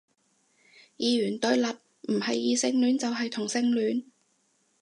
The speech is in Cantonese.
二元對立，唔係異性戀就係同性戀